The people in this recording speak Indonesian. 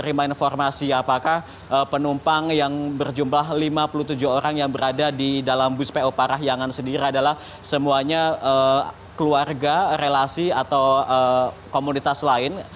terima kasih apakah penumpang yang berjumlah lima puluh tujuh orang yang berada di dalam bus po parahyangan sendiri adalah semuanya keluarga relasi atau komunitas lain